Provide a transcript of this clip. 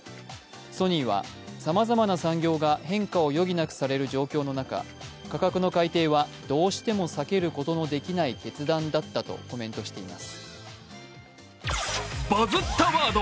ソニーはさまざまな産業が変化を余儀なくされる状況の中価格の改定はどうしても避けることのできない決断だったとコメントしています。